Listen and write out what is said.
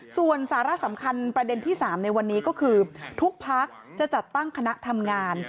ส่วนสาระสำคัญประเด็นที่๓ในวันนี้ก็คือทุกพักจะจัดตั้งคณะทำงาน